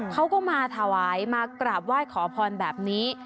เขาก็มาถวายมากราบไหว้ขอพรแบบนี้